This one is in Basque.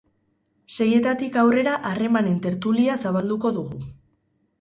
Seietatik aurrera harremanen tertulia zabalduko dugu.